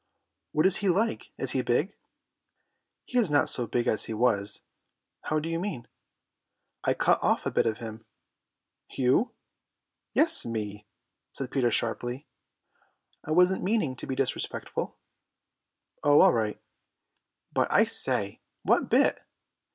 "What is he like? Is he big?" "He is not so big as he was." "How do you mean?" "I cut off a bit of him." "You!" "Yes, me," said Peter sharply. "I wasn't meaning to be disrespectful." "Oh, all right." "But, I say, what bit?"